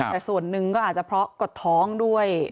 แต่ส่วนหนึ่งก็อาจจะเพราะกดท้องด้วย